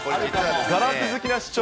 ガラス好きな市長。